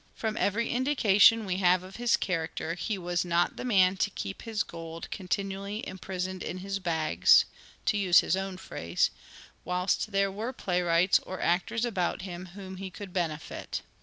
From every indication we have of his character he was not the man to keep his gold " continually imprisoned in his bags," to use his own phrase, whilst there were playwrights or actors about him whom he could benefit.